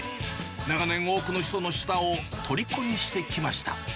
長年、多くの人の舌をとりこにしてきました。